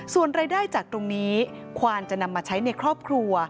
ส่วนรายได้จากตรงนี้ควานจะนำมาใช้ในครอบครัว